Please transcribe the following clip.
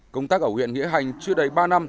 công tác ở huyện nghĩa hành chưa đầy ba năm